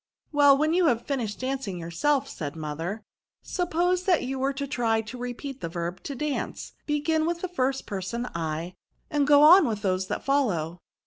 " Well, when you have finished dancing yourself," said her mother, *' suppose that you were to try to repeat the verb to dance ; begin, with the first person, /, and goon with those that follow."